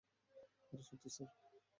আরে, সত্যি স্যার!